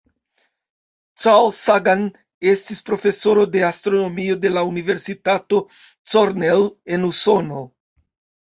Carl Sagan estis profesoro de astronomio de la Universitato Cornell en Usono.